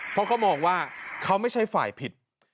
เพราะเขามองว่าเขาไม่ใช่ฝ่ายผิด